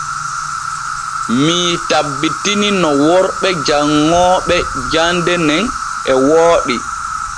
Mii tabbitini no worɓe janŋooɓe jande nen e wooɗi.